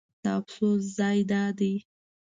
د افسوس ځای دا دی.